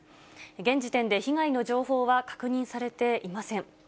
現時点で被害の情報は確認されていません。